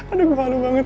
aduh gue malu banget